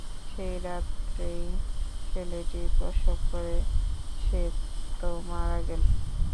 সেই রাত্রেই ছেলেটি প্রসব করে সে তো মারা গেল।